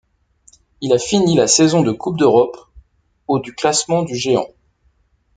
Il finit la saison de Coupe d'Europe au du classement du géant.